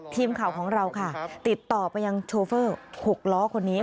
ทีมข่าวของเราค่ะติดต่อไปยังโชเฟอร์๖ล้อคนนี้